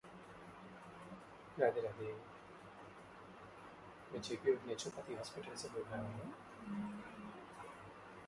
The match was later given five stars by Wrestling Observer's Dave Meltzer.